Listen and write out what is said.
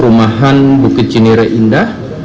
di rumahan bukit cinire indah